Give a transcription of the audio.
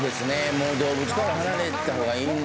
もう動物から離れた方がいいんだね。